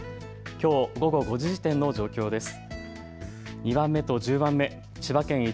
きょう午後５時時点の状況です。